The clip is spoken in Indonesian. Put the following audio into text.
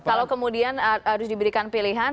kalau kemudian harus diberikan pilihan